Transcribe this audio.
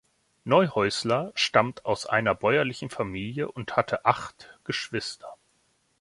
Neuhäusler stammte aus einer bäuerlichen Familie und hatte acht Geschwister.